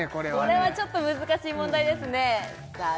これはちょっと難しい問題ですねさあ